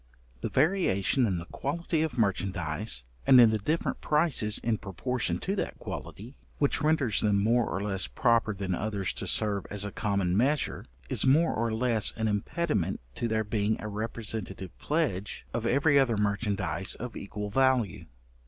The variation in the quality of merchandize, and in the different prices in proportion to that quality, which renders them more or less proper than others to serve as a common measure, is also more or less an impediment to their being a representative pledge of every other merchandize of equal value.